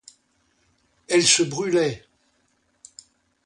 Elle se brûlait.